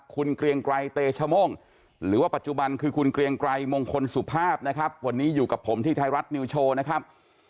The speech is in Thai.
คุณเกลียงไกรเตชโม่งหรือว่าปัจจุบันคือคุณเกลียงไกรมงคลสุภาพนะครับ